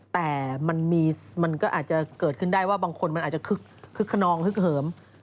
แต่มันก็อาจจะเกิดขึ้นได้ว่าบางคนมันอาจจะคึกขนองฮึกเหิม